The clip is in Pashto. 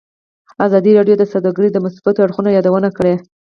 ازادي راډیو د سوداګري د مثبتو اړخونو یادونه کړې.